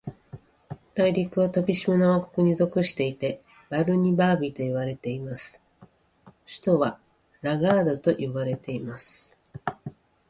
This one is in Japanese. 大陸は、飛島の国王に属していて、バルニバービといわれています。首府はラガードと呼ばれています。私は地上におろされて、とにかく満足でした。